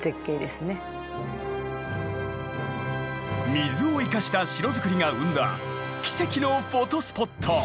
水を生かした城造りが生んだ奇跡のフォトスポット